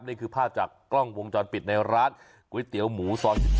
นี่คือภาพจากกล้องวงจรปิดในร้านก๋วยเตี๋ยวหมูซอย๑๔